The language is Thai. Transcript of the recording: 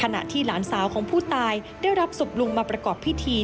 ขณะที่หลานสาวของผู้ตายได้รับศพลุงมาประกอบพิธี